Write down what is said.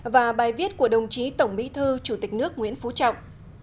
và bài viết của đồng chí tổng bí thư chủ tịch nước nguyễn phú trọng